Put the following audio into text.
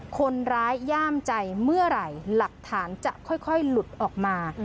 ย่ามใจเมื่อไหร่หลักฐานจะค่อยหลุดออกมา